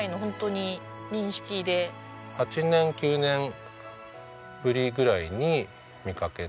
８年９年ぶりぐらいに見かけて。